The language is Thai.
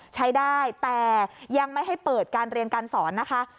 ใช้ได้แต่ยังไม่ให้เปิดการเรียนการสอนนะคะ